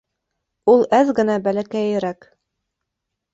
Ул әҙ генә бәләкәйерәк